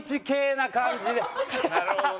なるほどね。